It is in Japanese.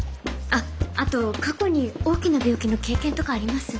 あっあと過去に大きな病気の経験とかあります？